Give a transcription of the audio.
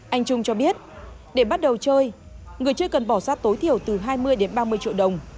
anh trung cho biết để bắt đầu chơi người chơi cần bỏ sát tối thiểu từ hai mươi đến ba mươi triệu đồng